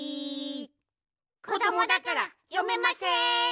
こどもだからよめません。